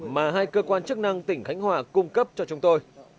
mà hai cơ quan chức năng tỉnh khánh hòa cung cấp cho chúng tôi